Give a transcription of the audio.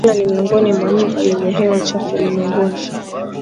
Kampala ni miongoni mwa miji yenye hewa chafu ulimwengun